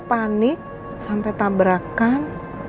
panik sampai tabrakan